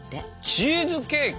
チーズケーキ？